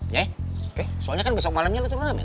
ya ya soalnya kan besok malemnya latihan ulang ya